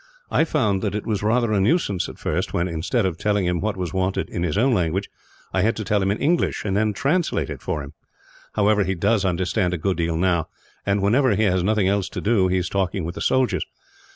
I found that it was rather a nuisance at first when, instead of telling him what was wanted in his own language, I had to tell him in English, and then translate it for him. However, he does understand a good deal now and, whenever he has nothing else to do, he is talking with the soldiers.